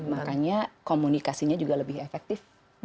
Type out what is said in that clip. makanya komunikasinya juga lebih efektif